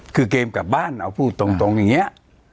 คือเกมกลับบ้านเอาพูดตรงอย่างนี้